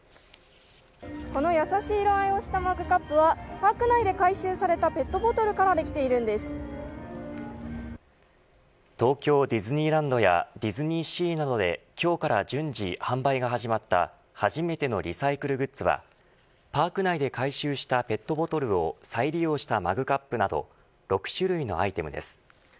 この優しい色合いをしたマグカップはパーク内で回収されたペットボトルから東京ディズニーランドやディズニーシーなどで今日から順次販売が始まった初めてのリサイクルグッズはパーク内で回収したペットボトルを再利用したマグカップなど６種類のアイテムです。